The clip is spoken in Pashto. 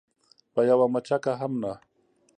په یوه مچکه هم نه.